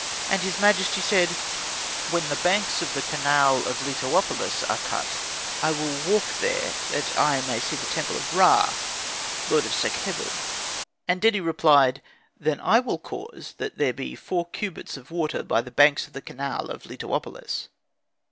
And his majesty said, "When the banks of the canal of Letopolis are cut, I will walk there that I may see the temple of Ra, lord of Sakhebu." And Dedi replied, "Then I will cause that there be four cubits of water by the banks of the canal of Letopolis."